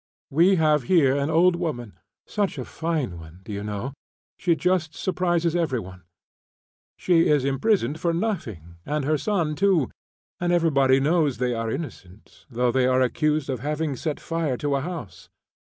We have here an old woman; such a fine one, d'you know, she just surprises every one; she is imprisoned for nothing, and her son, too, and everybody knows they are innocent, though they are accused of having set fire to a house.